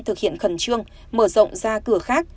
thực hiện khẩn trương mở rộng ra cửa khác